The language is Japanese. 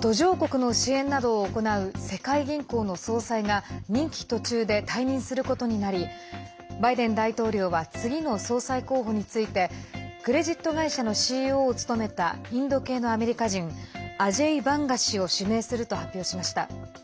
途上国の支援などを行う世界銀行の総裁が任期途中で退任することになりバイデン大統領は次の総裁候補についてクレジット会社のＣＥＯを務めたインド系のアメリカ人アジェイ・バンガ氏を指名すると発表しました。